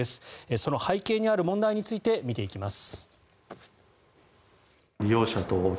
その背景にある問題について見ていきます。